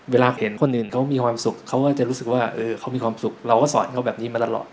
เวลาเห็นคนอื่นเขามีความสุขเขาก็จะรู้สึกว่าเขามีความสุขเราก็สอนเขาแบบนี้มาตลอด